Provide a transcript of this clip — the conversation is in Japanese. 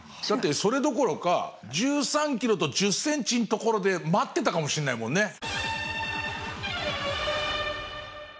だってそれどころか１３ｋｍと１０ｃｍの所で待ってたかもしれないもんね。